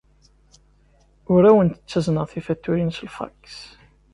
Ur awent-ttazneɣ tifatuṛin s lfaks.